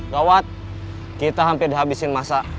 gawat kita hampir dihabisin masa